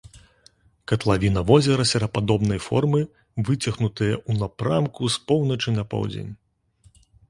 Катлавіна возера серпападобнай формы, выцягнутая ў напрамку з поўначы на поўдзень.